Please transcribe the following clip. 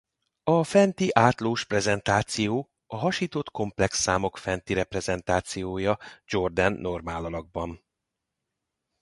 A fenti átlós prezentáció a hasított komplex számok fenti reprezentációja Jordan-normálalakban.